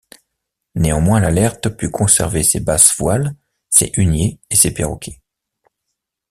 Néanmoins l’Alert put conserver ses basses voiles, ses huniers et ses perroquets.